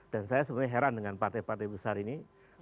dan saya sebenarnya heran dengan partai partai besar ini